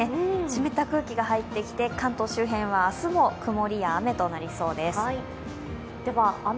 湿った空気が入ってきて関東周辺は明日も曇りや雨となりそうです。